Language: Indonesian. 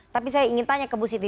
tapi saya ingin tanya ke bu siti